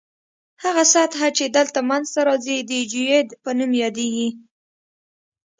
هغه سطح چې دلته منځ ته راځي د جیوئید په نوم یادیږي